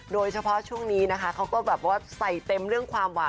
โดยเฉพาะช่วงนี้นะคะเขาก็แบบว่าใส่เต็มเรื่องความหวาน